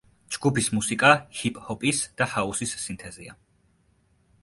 ჯგუფის მუსიკა ჰიპ-ჰოპის და ჰაუსის სინთეზია.